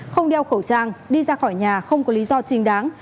không đeo khẩu trang đi ra khỏi nhà không có lý do chính đáng